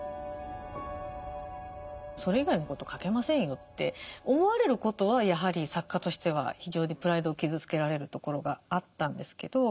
それ以外のこと書けませんよって思われることはやはり作家としては非常にプライドを傷つけられるところがあったんですけど。